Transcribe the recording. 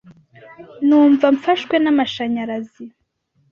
numva mfashwe n'amashanyarazi.